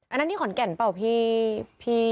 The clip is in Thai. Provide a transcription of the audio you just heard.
อันนั้นที่ขอนแก่นเปล่าพี่